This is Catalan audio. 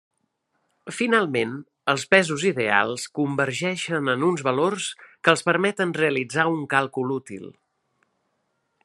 Finalment, els pesos ideals convergeixen en uns valors que els permeten realitzar un càlcul útil.